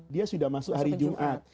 dia sudah masuk hari jumat